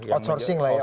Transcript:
outsourcing lah ya